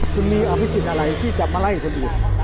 คุณมีอาวุธสิทธิ์อะไรที่จับมาไล่คนอีก